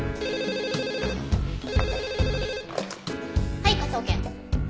はい科捜研。